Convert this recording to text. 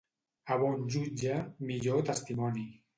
A bon jutge, millor testimoni.